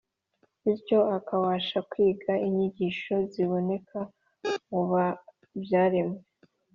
, bityo akabasha kwiga inyigisho ziboneka mu byaremwe,